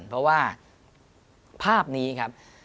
เพราะว่าภาพนี้ครับ